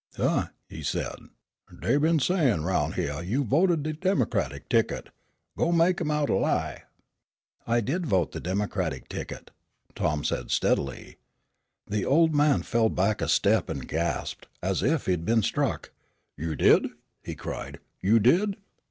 "Huh," he said, "dey been sayin' 'roun' hyeah you voted de Democratic ticket. Go mek 'em out a lie." "I did vote the Democratic ticket," said Tom steadily. The old man fell back a step and gasped, as if he had been struck. "You did?" he cried. "You did?"